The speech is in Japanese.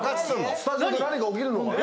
スタジオで何か起きるのかな？